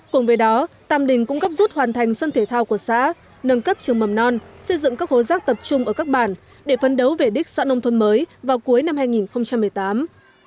cùng với đó tàm đình cũng góp rút hoàn thành sân thể thao của xã nâng cấp trường mầm non xây dựng các hố rác tập trung ở các bản để phân đấu về đích xã nông thôn mới vào cuối năm hai nghìn một mươi tám